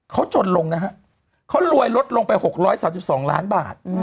เขาจนลงนะฮะเขารวยลดลงไป๖๓๒ล้านบาท